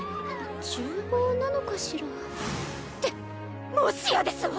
厨房なのかしらってもしやですわ！